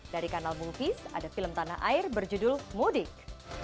dari kanal movies ada film tanah air berjudul mudik